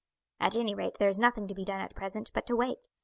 "At anyrate there is nothing to be done at present but to wait.